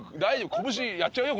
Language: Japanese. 拳やっちゃうよ